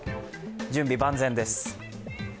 準備万全です！